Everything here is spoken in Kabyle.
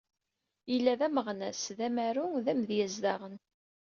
Yella d ameɣnas, d amaru, d amedyaz daɣen.